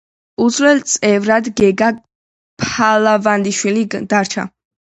უცვლელ წევრად გეგა ფალავანდიშვილი დარჩა.